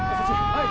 はい。